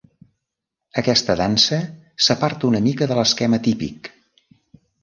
Aquesta dansa s'aparta una mica de l'esquema típic.